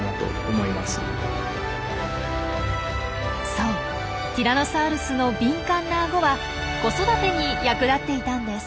そうティラノサウルスの敏感なアゴは子育てに役立っていたんです！